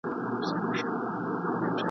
نه د کشر ورور په جېب کي درې غیرانه ..